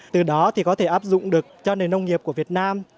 từ đó thì có thể áp dụng được cho nền nông nghiệp của việt nam